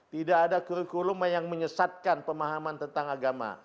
tidak ada kurikulum yang menyesatkan pemahaman tentang agama